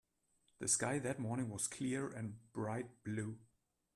The sky that morning was clear and bright blue.